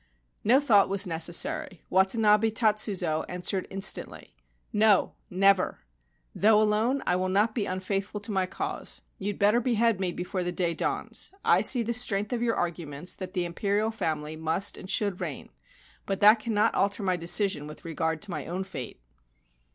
No thought was necessary. Watanabe Tatsuzo answered instantly. 'No — never. Though alone, I will not be unfaithful to my cause. You had better behead me before the day dawns. I see the strength of your arguments that the Imperial family must and should reign ; but that cannot alter my decision with regard to my own fate.'